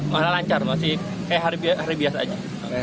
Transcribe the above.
malah lancar masih kayak hari biasa aja